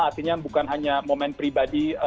artinya bukan hanya momen pribadi